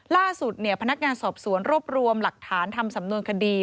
ล่าสุดพนักงานสอบสวนรวบรวมหลักฐานทำสำนวนคดี